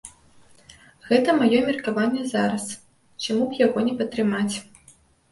Гэта маё меркаванне зараз, чаму б яго не падтрымаць.